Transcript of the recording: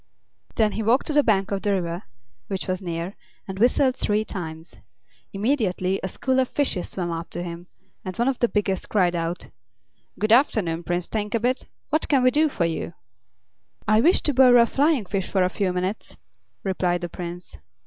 Then he walked to the bank of the river, which was near, and whistled three times. Immediately a school of fishes swam up to him, and one of the biggest cried out: "Good afternoon, Prince Thinkabit; what can we do for you?" "I wish to borrow a flying fish for a few minutes," replied the Prince.